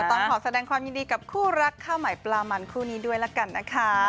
ต้องขอแสดงความยินดีกับคู่รักข้าวใหม่ปลามันคู่นี้ด้วยละกันนะคะ